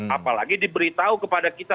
apalagi diberitahu kepada kita